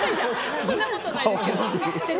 そんなことないですけど。